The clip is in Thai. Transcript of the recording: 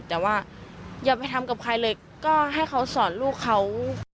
แต่ว่าอย่าไปทำกับใครเลยก็ให้เขาสอนลูกเขา